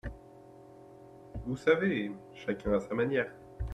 Vous savez… chacun a sa manière.